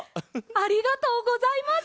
ありがとうございます。